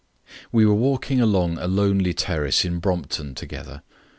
We were walking along a lonely terrace in Brompton together.